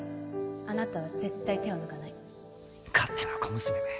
あなたは絶対手を抜かない勝手な小娘め！